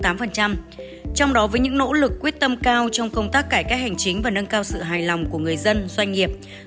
trong đó với những nỗ lực quyết tâm cao trong công tác cải cách hành chính và nâng cao sự hài lòng của người dân doanh nghiệp